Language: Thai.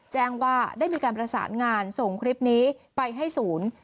แจ้งว่าได้มีการประสานงานส่งคลิปนี้ไปให้ศูนย์